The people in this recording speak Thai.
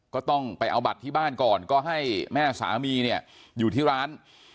ก็ต้องไปเอาบัตรที่บ้านก่อนก็ให้แม่สามีเนี่ยอยู่ที่ร้าน